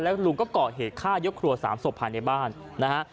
แล้วลุงก็เกาะเหตุค่าเย็บครัว๓ศพภัณฑ์ในบ้านนะฮะ